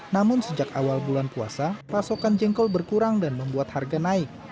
namun sejak awal bulan puasa pasokan jengkol berkurang dan membuat harga naik